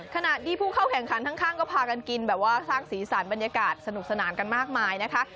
ขณะที่ผู้เข้าแข่งขันข้างก็พากันกินแบบว่าสร้างสีสันบรรยากาศสนุกสนานกันมากมายนะคะ